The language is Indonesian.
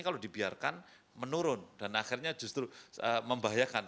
kalau dibiarkan menurun dan akhirnya justru membahayakan